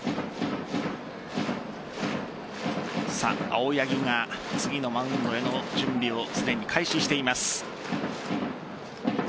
青柳が次のマウンドへの準備をすでに開始しています。